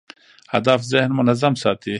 هدف ذهن منظم ساتي.